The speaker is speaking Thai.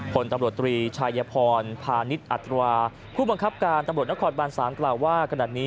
ผลตำรวจตรีชายพรพาณิชย์อัตราผู้บังคับการตำรวจนครบาน๓กล่าวว่าขณะนี้